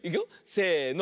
せの。